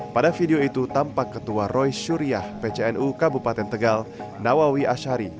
pada video itu tampak ketua roy syuriah pcnu kabupaten tegal nawawi ashari